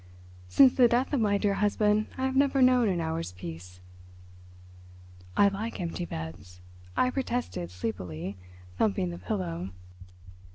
Since the death of my dear husband I have never known an hour's peace." "I like empty beds," I protested sleepily, thumping the pillow.